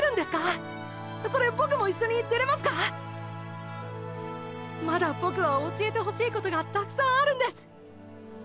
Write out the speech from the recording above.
それボクも一緒に出れますか⁉まだボクは教えてほしいことがたくさんあるんです！！